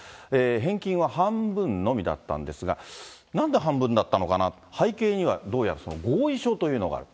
返金は半分のみだったんですが、なんで半分だったのかなと、背景にはどうやら合意書というのがある。